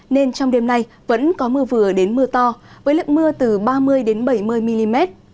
nên trong đêm nay vẫn có mưa vừa đến mưa to với lượng mưa từ ba mươi bảy mươi mm